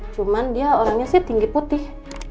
cuman dia orangnya sih tinggi putih